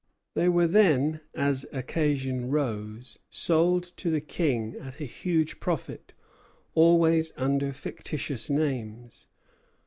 They were then, as occasion rose, sold to the King at a huge profit, always under fictitious names.